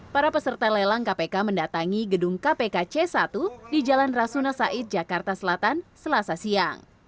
para peserta lelang kpk mendatangi gedung kpk c satu di jalan rasuna said jakarta selatan selasa siang